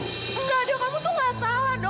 nggak do kamu tuh nggak salah do